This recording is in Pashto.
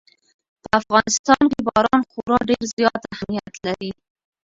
په افغانستان کې باران خورا ډېر زیات اهمیت لري.